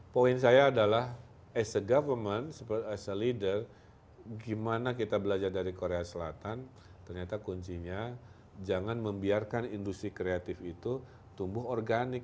poin saya adalah as a government as a leader gimana kita belajar dari korea selatan ternyata kuncinya jangan membiarkan industri kreatif itu tumbuh organik